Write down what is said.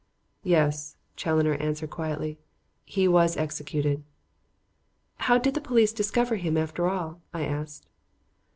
"Yes," Challoner answered quietly, "he was executed." "How did the police discover him, after all?" I asked.